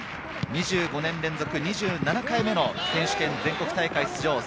２５年連続２７回目の選手権全国大会出場。